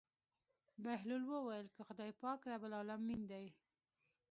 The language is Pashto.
بهلول وويل که خداى پاک رب العلمين دى.